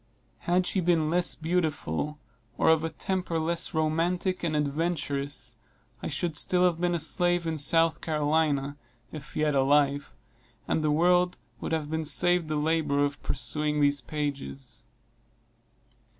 Had she been less beautiful, or of a temper less romantic and adventurous, I should still have been a slave in South Carolina, if yet alive, and the world would have been saved the labor of perusing these pages.